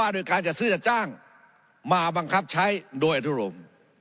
โดยการจัดซื้อจัดจ้างมาบังคับใช้โดยอนุรม